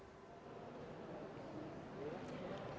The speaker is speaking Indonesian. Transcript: saat ini memang belum ada informasi lanjutan mengenai setelah ini akan dibawa kemana